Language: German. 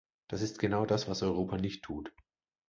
Das ist genau das, was Europa nicht tut.